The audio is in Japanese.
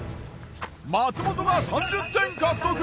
松本が３０点獲得。